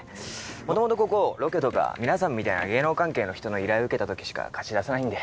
もともとここロケとか皆さんみたいな芸能関係の人の依頼受けたときしか貸し出さないんで。